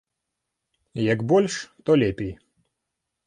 Як больш, то лепей.